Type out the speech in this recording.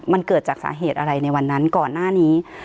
มันเกิดจากสาเหตุอะไรในวันนั้นก่อนหน้านี้